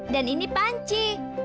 dan ini panci